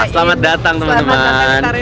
selamat datang teman teman